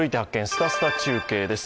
すたすた中継」です。